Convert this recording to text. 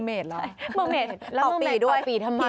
เมอร์เมดแล้วเมอร์เมดเปล่าปีด้วยเปล่าปีด้วยเปล่าปีดทำไม